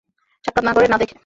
সাক্ষাত না করে - না দেখে।